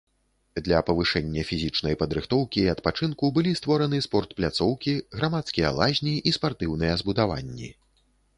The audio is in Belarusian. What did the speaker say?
Для павышэння фізічнай падрыхтоўкі і адпачынку былі створаны спортпляцоўкі, грамадскія лазні і спартыўныя збудаванні.